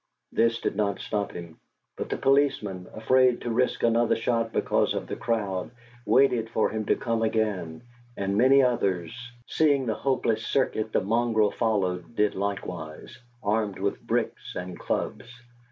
This did not stop him; but the policeman, afraid to risk another shot because of the crowd, waited for him to come again; and many others, seeing the hopeless circuit the mongrel followed, did likewise, armed with bricks and clubs.